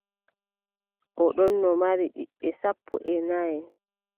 O ɗonno mari ɓiɓɓe sappo e nay.